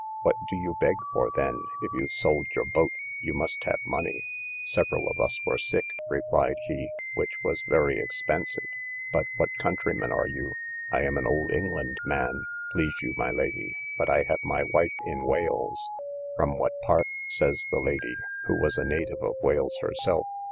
What do you beg for then? if you sold your boat, you must have money. Several of us were sick, replied he, which was very expensive. But what countryman are you? I am an Old England man, please you, my lady, but I have my wife in Wales. From what part? says the lady, who was a native of Wales herself.